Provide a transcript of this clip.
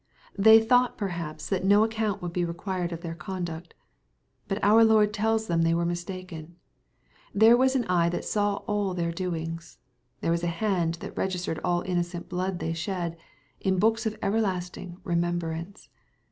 They thought perhaps that no account would be required of their conduct. But our Lord tells them they were mistaken. Th ere w as an eye that sa w all their domgs. There was a hand that registered all the innocent blood they shed, in books of everlasting remembrance.